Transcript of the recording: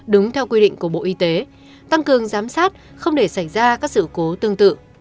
đúng theo quy định của bộ y tế tăng cường giám sát không để xảy ra các sự cố tương tự